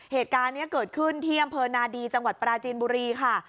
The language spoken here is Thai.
เหตุการณ์นี้เกิดขึ้นที่อำเภอนาดีจังหวัดปราจีนบุรีค่ะ